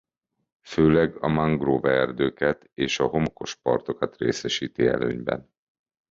Főleg a mangroveerdőket és a homokos partokat részesíti előnyben.